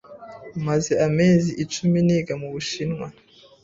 Maze amezi icumi niga mu Bushinwa.